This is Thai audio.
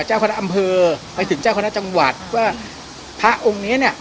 เจ้าคณะอำเภอไปถึงเจ้าคณะจังหวัดว่าพระองค์เนี้ยเนี้ย